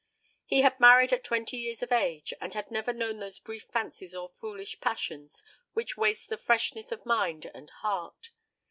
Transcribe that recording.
He had married at twenty years of age, and had never known those brief fancies or foolish passions which waste the freshness of mind and heart.